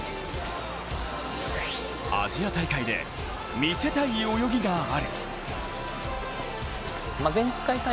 アジア大会で見せたい泳ぎがある。